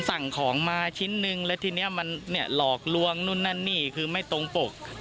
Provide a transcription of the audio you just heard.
สั่งของมาชิ้นนึงแล้วทีนี้มันเนี่ยหลอกลวงนู่นนั่นนี่คือไม่ตรงปก